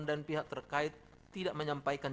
dan pihak terkait tidak menyampaikan